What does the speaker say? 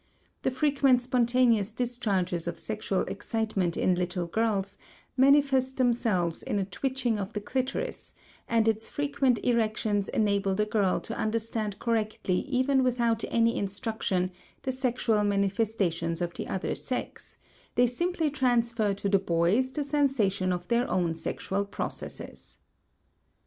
The frequent spontaneous discharges of sexual excitement in little girls manifest themselves in a twitching of the clitoris, and its frequent erections enable the girl to understand correctly even without any instruction the sexual manifestations of the other sex; they simply transfer to the boys the sensations of their own sexual processes.